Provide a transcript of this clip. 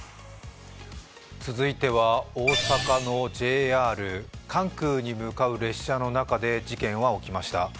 続いては大阪のＪＲ、関空に向かう列車の中で事件は起きました。